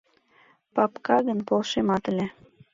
Папка гын, полшемат ыле.